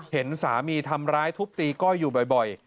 เห็นสามีทำร้ายทุบตีก้อยอยู่บ่อย